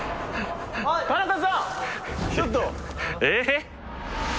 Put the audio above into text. えっ？